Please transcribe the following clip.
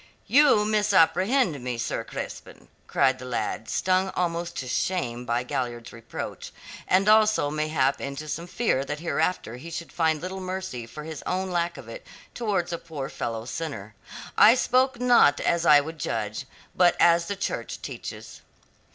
"You misapprehend me, Sir Crispin," cried the lad, stung almost to shame by Galliard's reproach, and also mayhap into some fear that hereafter he should find little mercy for his own lack of it towards a poor fellow sinner. "I spoke not as I would judge, but as the Church teaches."